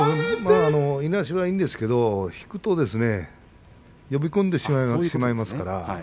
いなしはいいんですけれども引くと呼び込んでしまいます。